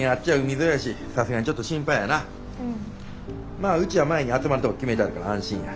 まあうちは前に集まるとこ決めたから安心や。